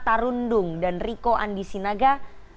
melisa tarun ndung dan riko andi sinaga